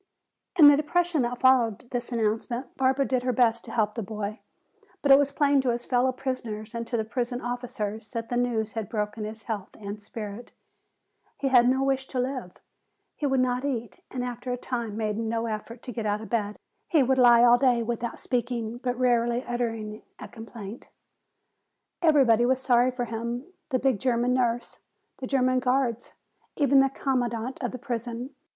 In the depression that followed this announcement Barbara did her best to help the boy. But it was plain to his fellow prisoners and to the prison officers that the news had broken his health and spirit. He had no wish to live. He would not eat and after a time made no effort to get out of bed. He would lie all day without speaking, but rarely uttering a complaint. Everybody was sorry for him, the big German nurse, the German guards, even the commandant of the prison.